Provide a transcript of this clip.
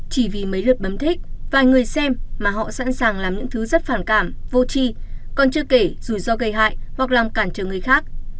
chỉ vì mấy lượt bấm thích vài người xem mà họ sẵn sàng làm những thứ rất phản cảm vô chi còn chưa kể rủi ro gây hại hoặc làm cản trở người khác